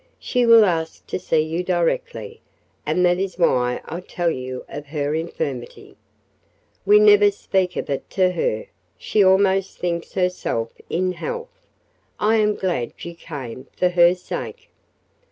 She will ask to see you directly, and that is why I tell you of her infirmity. We never speak of it to her she almost thinks herself in health. I am glad you came for her sake."